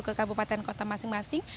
ke kabupaten kota masing masing